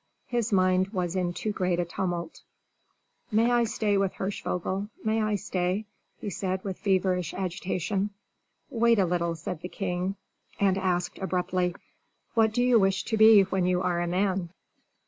His mind was in too great a tumult. "May I stay with Hirschvogel? may I stay?" he said with feverish agitation. "Wait a little," said the king, and asked, abruptly, "What do you wish to be when you are a man?"